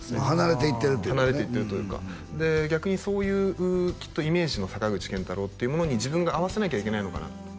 離れていってるというかね離れていってるというかで逆にそういうきっとイメージの坂口健太郎っていうものに自分が合わせなきゃいけないのかな